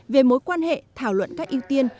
về mối quan hệ thảo luận các ưu tiên